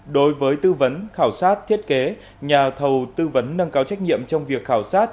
đối với tư vấn khảo sát thiết kế nhà thầu tư vấn nâng cao trách nhiệm trong việc khảo sát